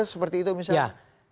seperti itu misalnya